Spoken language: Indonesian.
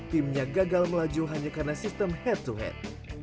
timnya gagal melaju hanya karena sistem head to head